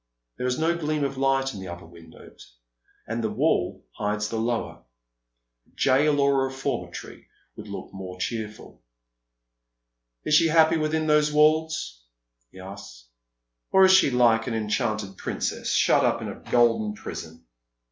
There is no gleam of light in the upper windows, and the wall hides the lower. A jail or a reformatoiy would look more cheerful. " Is she happy within those walls ?" he asks, " or is she like an enchanted princess shut up in a golden prison?